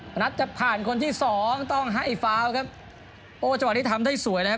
นัทจะผ่านคนที่สองต้องให้ฟาวครับโอ้จังหวะนี้ทำได้สวยเลยครับ